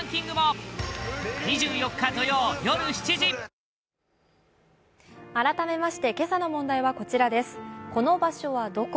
師匠、弟子、椅子改めまして、今朝の問題はこちらです。